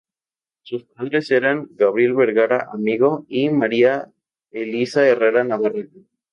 Sus padres eran Gabriel Vergara Amigo y María Elisa Herrera Navarrete.